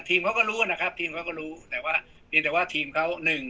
ทีมเขาก็รู้นะครับทีมเขาก็รู้แต่ว่าทีมเขานึง